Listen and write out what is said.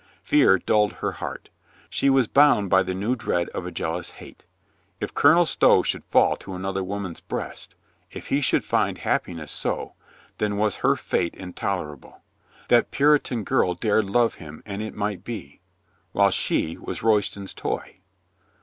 Fear dulled her heart. She was bound by the new dread of a jealous hate. If Colonel Stow should fall to an other woman's breast, if he should find happiness so, then was her fate intolerable. That Puritan girl dared love him and it might be ... while she was Royston's toy